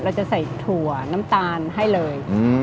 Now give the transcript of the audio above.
จะใส่ถั่วน้ำตาลให้เลย